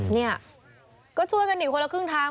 เนี่ยก็ช่วยกันหนีคนละครึ่งทาง